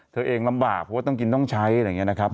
เธอเองลำบากเพราะว่าต้องกินต้องใช้อะไรอย่างนี้นะครับ